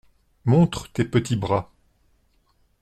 Montre tes petits bras…